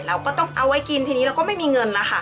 เราก็ต้องเอาไว้กินทีนี้เราก็ไม่มีเงินนะคะ